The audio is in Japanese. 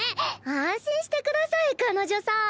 安心してください彼女さん。